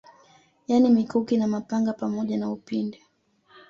Yani mikuki na mapanga pamoja na upinde